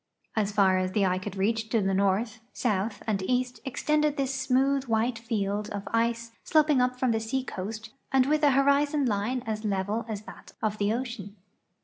As tar as the eye could reach to the north, south, and east extended this smooth, white field of ice sloping up from the seacoast and with an horizon line as level as that of the ocean.